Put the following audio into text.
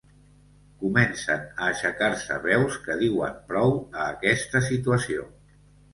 Comencen a aixecar-se veus que diuen prou a aquesta situació.